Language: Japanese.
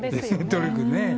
努力ね。